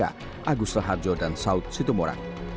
agus raharjo dan saud situmorang